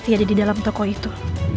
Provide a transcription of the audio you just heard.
dia ada di dalam toko itu